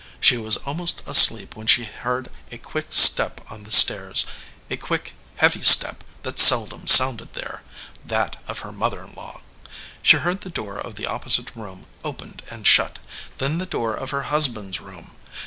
She was almost asleep when she heard a quick step on the stairs a quick, heavy step that seldom sounded there that of her mother in law. She heard the door of the opposite room opened and shut, then the door of her husband s room.